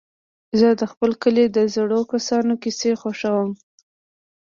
زه د خپل کلي د زړو کسانو کيسې خوښوم.